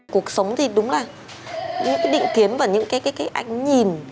cuộc sống thì đúng là những cái định kiến và những cái ánh nhìn